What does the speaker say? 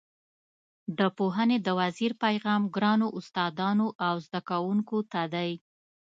د پوهنې د وزیر پیغام ګرانو استادانو او زده کوونکو ته دی.